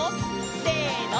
せの！